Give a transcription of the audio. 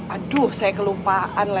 aduh saya kelupa